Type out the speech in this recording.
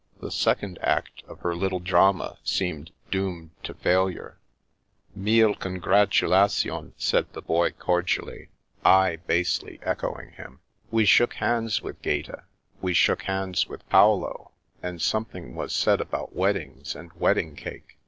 The second act of her little drama seemed doomed to failure. *' MUle congratulations,'' said the Boy cordially, 274 The Princess Passes I basely echoing him. We shook hands with Gaeta ; we shook hands with Paolo, and something was said about weddings and wedding cake.